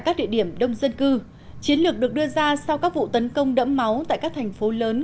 các địa điểm đông dân cư chiến lược được đưa ra sau các vụ tấn công đẫm máu tại các thành phố lớn